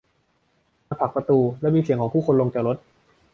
มันผลักประตู และมีเสียงของผู้คนลงจากรถ